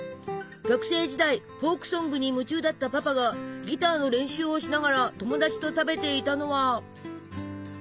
学生時代フォークソングに夢中だったパパがギターの練習をしながら友達と食べていたのは。